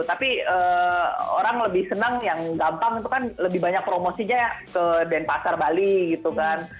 tapi orang lebih senang yang gampang itu kan lebih banyak promosinya ya ke denpasar bali gitu kan